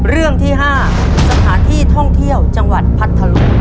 เรื่องที่๕สถานที่ท่องเที่ยวจังหวัดพัทธลุง